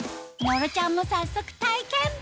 野呂ちゃんも早速体験！